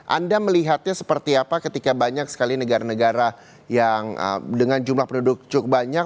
anda melihatnya seperti apa ketika banyak sekali negara negara yang dengan jumlah penduduk cukup banyak